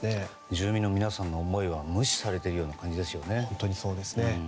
住民の皆さんの思いは無視されている感じですね。